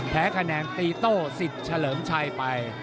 แพ้คะแนนตีโต้สิทธิ์เฉลิมชัยไป